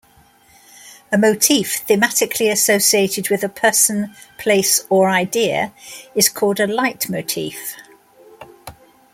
A motif thematically associated with a person, place, or idea is called a leitmotif.